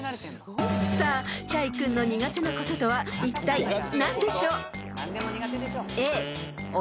［さあチャイ君の苦手なこととはいったい何でしょう？］